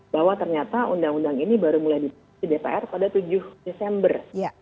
bahwa ternyata undang undang ini baru mulai di dpr pada tujuh desember dua ribu dua puluh satu